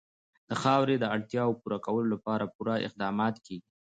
د خاورې د اړتیاوو پوره کولو لپاره پوره اقدامات کېږي.